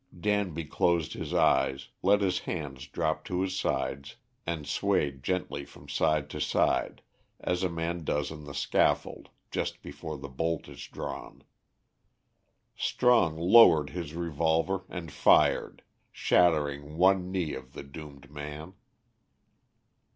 Danby closed his eyes, let his hands drop to his sides, and swayed gently from side to side as a man does on the scaffold just before the bolt is drawn. Strong lowered his revolver and fired, shattering one knee of the doomed man.